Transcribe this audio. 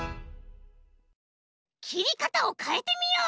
きりかたをかえてみよう！